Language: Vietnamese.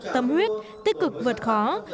tâm huyết tích cực vượt khó